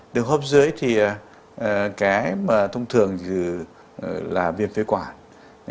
đường hốp dưới thì cái mà thông thường là viêm phế quản